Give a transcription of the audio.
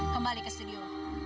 kembali ke studio